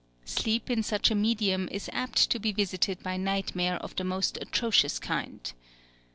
Sleep in such a medium is apt to be visited by nightmare of the most atrocious kind.